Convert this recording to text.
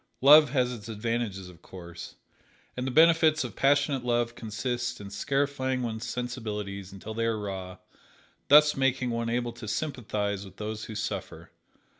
Love has its advantages, of course, and the benefits of passionate love consist in scarifying one's sensibilities until they are raw, thus making one able to sympathize with those who suffer.